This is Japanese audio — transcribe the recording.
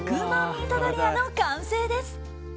ミートドリアの完成です。